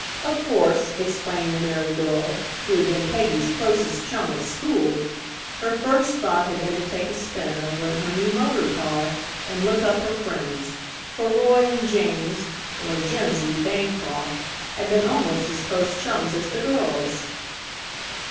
Of course, explained the merry girl, who had been Peggy's closest chum at school, her first thought had been to take a spin over in her new motor car and look up her friends, for Roy and James or Jimsy Bancroft had been almost as close chums as the girls.